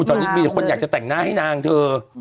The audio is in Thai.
ตอนนี้มีคนอยากจะแต่งหน้าให้นางเธอ